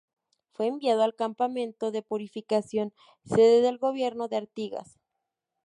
Fue enviado al campamento de Purificación, sede del gobierno de Artigas.